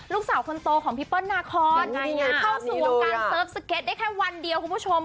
ลูกสาวคนโตของพี่เปิ้ลนาคอนเข้าสู่วงการเสิร์ฟสเก็ตได้แค่วันเดียวคุณผู้ชม